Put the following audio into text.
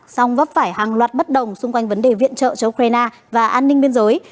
song vấp phải hàng loạt bất đồng xung quanh vấn đề viện trợ cho ukraine và an ninh biên giới